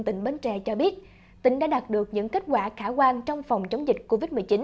tỉnh bến tre đã đạt được những kết quả khả quan trong phòng chống dịch covid một mươi chín